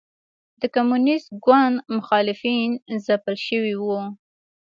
د کمونېست ګوند مخالفین ځپل شوي وو.